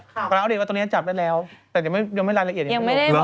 กำลังเอาเดียวว่าตอนนี้จับได้แล้วแต่ยังไม่รายละเอียดอีก